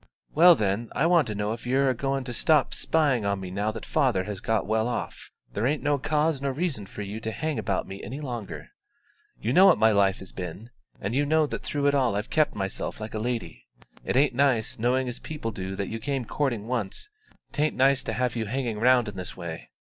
"Well, then, I want to know if you're a going to stop spying on me now that father has got well off? There ain't no cause nor reason for you to hang about me any longer. You know what my life has been, and you know that through it all I've kept myself like a lady. It ain't nice, knowing as people do that you came courting once, 'tain't nice to have you hanging round in this way."